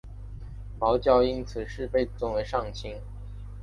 茅焦因此事被尊为上卿。